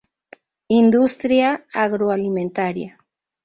Industria agroalimentaria.